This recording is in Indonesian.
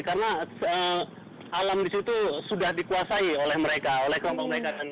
karena alam di situ sudah dikuasai oleh mereka oleh kelompok mereka